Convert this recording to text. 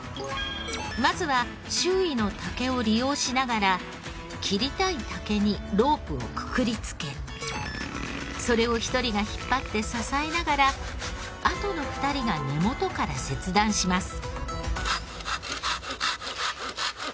まずは周囲の竹を利用しながら切りたい竹にロープをくくりつけそれを１人が引っ張って支えながらあとの２人が根元から切断します。